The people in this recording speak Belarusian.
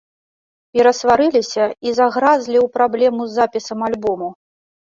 Перасварыліся і загразлі ў праблемаў з запісам альбому.